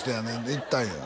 行ったんよ